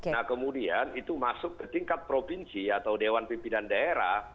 nah kemudian itu masuk ke tingkat provinsi atau dewan pimpinan daerah